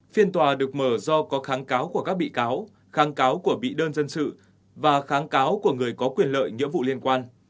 phiên tòa được mở do có kháng cáo của các bị cáo kháng cáo của bị đơn dân sự và kháng cáo của người có quyền lợi nghĩa vụ liên quan